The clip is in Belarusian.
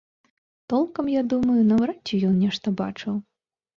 Толкам, я думаю, наўрад ці ён нешта бачыў.